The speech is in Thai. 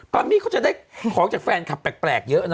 มี่เขาจะได้ของจากแฟนคลับแปลกเยอะนะ